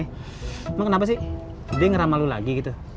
emang kenapa sih dia ngerama lu lagi gitu